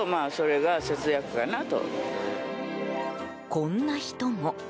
こんな人も。